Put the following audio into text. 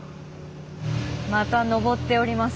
また上っております。